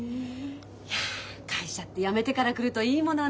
いや会社って辞めてから来るといいものねえ。